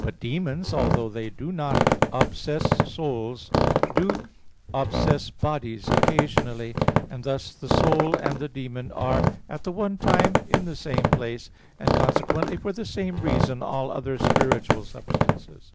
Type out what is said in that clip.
But demons, although they do not obsess souls, do obsess bodies occasionally; and thus the soul and the demon are at the one time in the same place; and consequently for the same reason all other spiritual substances.